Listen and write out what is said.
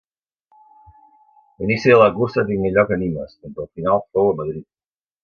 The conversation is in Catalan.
L'inici de la cursa tingué lloc a Nimes, mentre el final fou a Madrid.